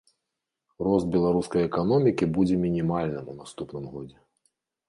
Рост беларускай эканомікі будзе мінімальным у наступным годзе.